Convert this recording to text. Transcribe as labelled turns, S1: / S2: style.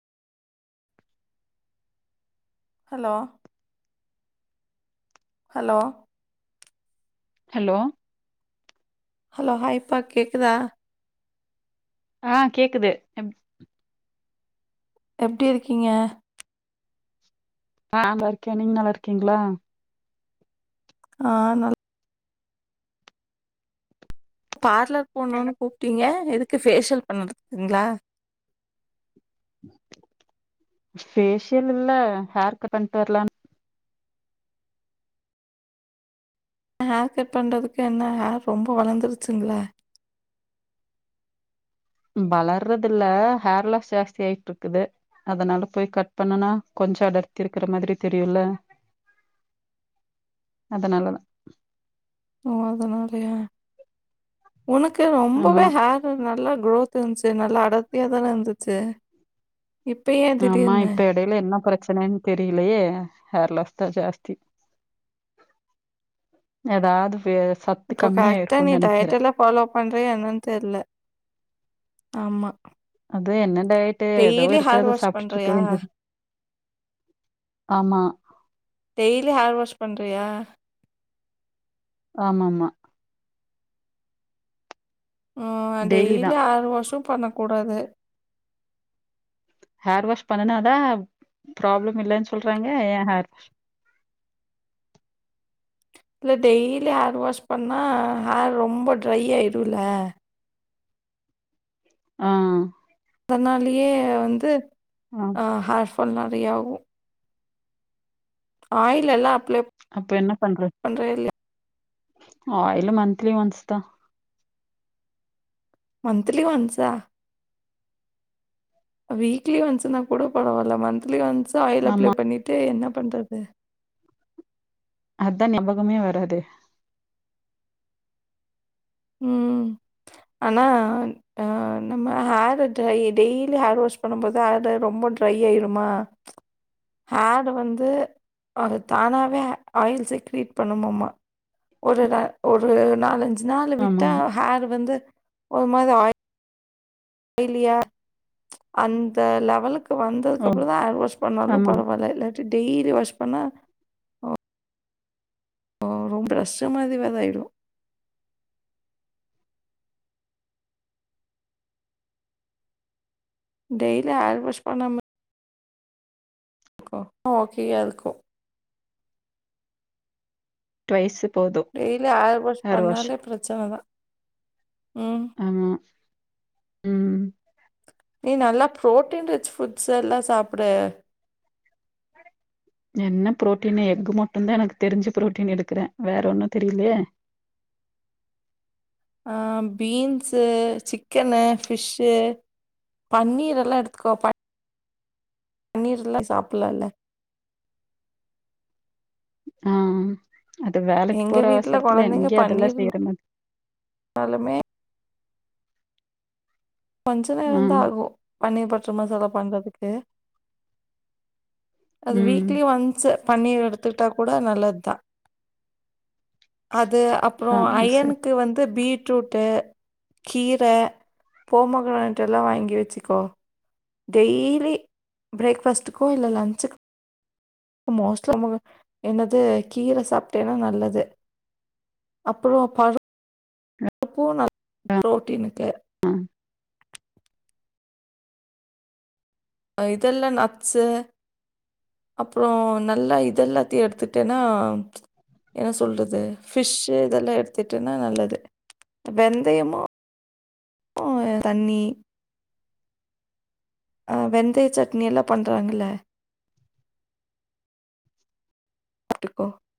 S1: Hello hello
S2: hello
S1: hello ஹாய்ப்பா கேக்குதா
S2: ஆ கேக்குது எப்
S1: எப்டி இருக்கீங்க
S2: அ போயிருக்கே நீங் நல்லாருக்கீங்களா
S1: ஆ நல் பார்லர்
S2: என்ன?
S1: போணுன்னு கூப்ட்டீங்க எதுக்கு ஃபேஷியல் பண்ணதுக்குங்களா
S2: ஃபேஷியல் இல்ல ஹேர்கட் பண்ட்டு வரலான்னு
S1: ஹேர்க்கட் பண்றதுக்கு என்ன ஹேர் ரொம்ப வளந்துருச்சுங்களா
S2: வளர்றது இல்ல ஹேர் லாஸ் ஜாஸ்தி ஆயிட்டுருக்குது அதனால போய் கட் பண்ணுனா கொஞ்சோ அடர்த்தி இருக்குற மாதிரி தெரியுல்ல அதனாலதா
S1: ஓ அதனாலயா உனக்கு
S2: ஆமா
S1: ரொம்பவே ஹே ர் நல்லா குரோத் இருந்துச்சு நல்லா அடர்த்தியா தான இருந்துச்சு இப்ப ஏ
S2: ஆமா
S1: திடீர்னு
S2: இப்ப எடையில என்ன பிரச்சனைன்னு தெரியலையே ஹேர் லாஸ் தா ஜாஸ்தி ஏதாவது வே சத்து
S1: இப்போ
S2: கம்மியா
S1: கரெக்டா நீ
S2: இருக்குன்னு நெனைக்கற
S1: டயட் எல்லா ஃபாலோ பண்றயா என்னன்னு தெரில ஆமா
S2: அது என்ன டயட்டு ஏதோ
S1: டெய்லி ஹேர்
S2: இருக்கறத
S1: வாஷ்
S2: சாப்ட்டுட்டு இருக்க
S1: பண்றியா
S2: வேண்டியது ஆமா
S1: டெய்லி ஹேர் வாஷ் பண்றியா
S2: ஆமாம்மா
S1: ம் டெய்லி ஹேர் வாஷு பண்ணக்கூடாது
S2: ஹேர் வாஷ் பண்ணுனாதா ப்ராப்ளம் இல்லன்னு சொல்றாங்க ஏ ஹேர் வாஷ்
S1: இல்ல டெய்லி ஹேர் வாஷ் பண்ணா ஹேர் ரொம்ப ட்ரை ஆயிடுல
S2: ஆ
S1: அதனாலயே வந்து ஆ ஹேர்ஃபால் நறயாகு ஆயில் எல்லா அப்லே
S2: அப்ப என்ன பண்ற
S1: பண்றியா இல்லையா
S2: ஆயிலு மந்த்லி ஒன்ஸ் தா
S1: மந்த்லி ஒண்ஸ்ஸா அ வீக்லி ஒண்ஸ்ன்னா கூட பரவால்ல மந்த்லி ஒண்ஸ் ஆயில் அப்ளை
S2: ஆமா
S1: பண்ணீட்டு என்ன பண்றது
S2: அதா ஞாபகமே வராது
S1: ம் ஆனா அ நம்ம hair dry daily hair wash பண்ணும்போது ஹேர் ரொம்ப ட்ரை ஆயிருமா ஹேர் வந்து அது தானாவே ஆயில் செக்ரீட் பண்ணுமாம்மா ஒரு ர ஒரு நாலஞ்சு நாள்
S2: ஆமா
S1: விட்டா ஹேர் வந்து ஒரு மாதிரி ஆ யிலியா அந்த லெவலுக்கு வந்ததுக்கு
S2: ஓ
S1: அப்பறோ தா ஹேர் வாஷ் பண்ணாலு
S2: ஆமா
S1: பரவால்ல இல்லாட்டி டெய்லி வாஷ் பண்ணா ஓ ரொம்ப பிரஷ்ஷு மாரி வேற ஆய்டு டெய்லி ஹேர் வாஷ் பண்ணாம கோ ஓகேயா இருக்கு
S2: ட்வைஸ்ஸு போது
S1: டெய்லி
S2: ஹேர் வாஷ்
S1: பண்ணாலே பிரச்சனை தான். ம்.
S2: ஆமா ம்
S1: நீ நல்லா ப்ரோட்டீன் ரிச் ஃபுட்ஸ் எல்லா சாப்புடு
S2: என்ன ப்ரோட்டீன் எக்கு மட்டுந்தா எனக்கு தெரிஞ்சு ப்ரோட்டீன் எடுக்கற வேற ஒன்னு தெரியலயே
S1: ஆ பீன்ஸு சிக்கனு ஃபிஷ்ஷு பன்னீர் எல்லா எடுத்துக்கோ பன் பன்னீர் எல்லா சாப்பிடலால்ல
S2: ஆ அது வேலைக்கு
S1: எங்க
S2: போற
S1: வீட்ல
S2: அவசரத்துல
S1: குழந்தைங்க
S2: எங்க அதெல்லா செய்யற மாரி
S1: தாலுமே கொஞ்ச
S2: ஆ
S1: நேரந்தா ஆகு பன்னீர் பட்டர் மசாலா பண்றதுக்கு அது
S2: ம்
S1: வீக்லி ஒன்ஸ் பன்னீர் எடுத்துகிட்டா கூட நல்லது தா அது அப்புறோ
S2: ஆ ஆ. சரி
S1: அயனுக்கு வந்து பீ ட்ரூட்டு கீர போமொகிரானட்டெல்லா வாங்கி வச்சுக்கோ டெய்லி பிரேக் ஃபாஸ்ட்டுக்கு இல்ல லன்ச்சுக்கு மோஸ்ட்டா முரு என்னது கீர சாப்பிட்டேன்னா நல்லது அப்புறோ பருப் பு நல்ல ப்ரோட்டீனுக்கு
S2: ம்
S1: ஆ இதெல்லா நட்ஸு அப்புறோ நல்லா இதெல்லாத்தையு எடுத்துட்டேன்னா ச்சு என்ன சொல்றது ஃபிஷ் இதெல்லா எடுத்துட்டேனா நல்லது வெந்தயமு ம் தண்ணி ஆ வெந்தய சட்னிெல்லா பண்ணுறாங்கல உட்டுக்கோ